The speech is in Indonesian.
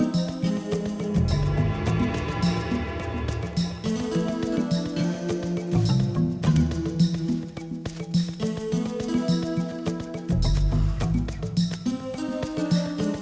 dan menurut pak deh